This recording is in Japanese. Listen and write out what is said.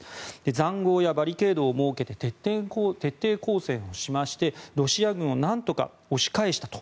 塹壕やバリケードを設けて徹底抗戦しましてロシア軍を何とか押し返したと。